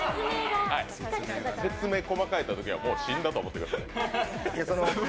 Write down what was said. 説明細かいときにはもう死んだと思ってください。